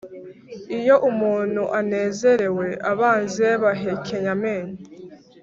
Iyo umuntu anezerewe, abanzi be bahekenya amenyo,